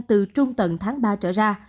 từ trung tầng tháng ba trở ra